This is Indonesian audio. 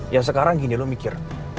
ya sekarang gini lo mikir